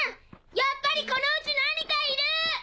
やっぱりこの家何かいる！